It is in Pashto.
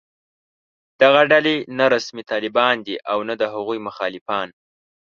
دغه ډلې نه رسمي طالبان دي او نه د هغوی مخالفان